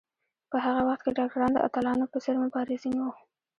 په هغه وخت کې ډاکټران د اتلانو په څېر مبارزین وو.